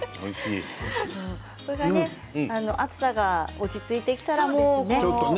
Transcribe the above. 暑さが落ち着いてきたらね。